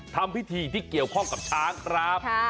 ทำพิธีที่เกี่ยวข้องกับช้างครับ